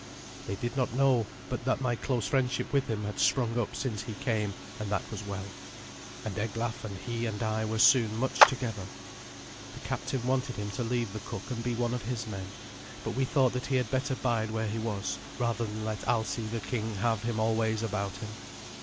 They did not know but that my close friendship with him had sprung up since he came, and that was well, and Eglaf and he and I were soon much together. The captain wanted him to leave the cook and be one of his men, but we thought that he had better bide where he was, rather than let Alsi the king have him always about him.